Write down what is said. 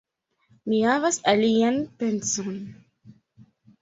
Mi havas alian penson.